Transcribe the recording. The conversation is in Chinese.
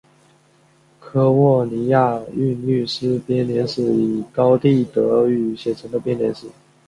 利沃尼亚韵律诗编年史是以高地德语写成的编年史。